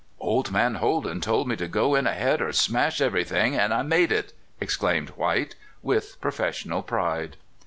" Old man Holden told me to go in ahead or smash everything, and I made it!" exclaimed White, with professional pride.